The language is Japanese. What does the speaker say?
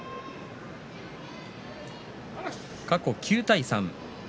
過去９対３。